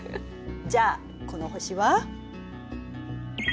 じゃあこの星は？